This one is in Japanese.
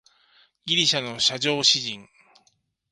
ギリシャの叙情詩人